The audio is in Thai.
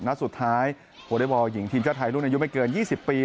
นัดสุดท้ายวอเล็กบอลหญิงทีมชาติไทยรุ่นอายุไม่เกิน๒๐ปี